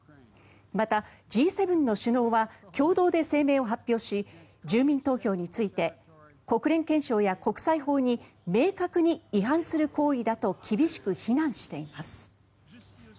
また、Ｇ７の首脳は共同で声明を発表し住民投票について国連憲章や国際法に明確に違反する行為だと厳しく非難しています。